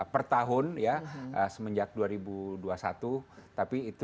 per tahun ya semenjak dua ribu dua puluh satu tapi itu